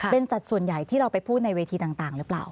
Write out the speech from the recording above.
เป็นสัตว์ส่วนใหญ่ที่เราไปพูดในเวทีต่างหรือเปล่า